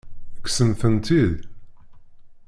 Kksent-ten-id?